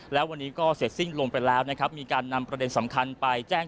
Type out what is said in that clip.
และวันนี้ก็เสร็จสิ้นลงไปแล้วนะครับมีการนำประเด็นสำคัญไปแจ้ง